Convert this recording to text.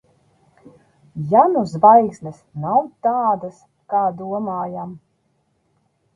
Ja nu zvaigznes nav tādas, kā domājam?